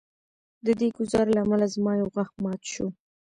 د دې ګزار له امله زما یو غاښ مات شو